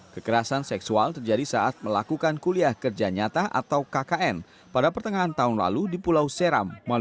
kekerasan seksual terjadi saat melakukan kuliah kerja nyata atau kkn pada pertengahan tahun lalu di pulau seram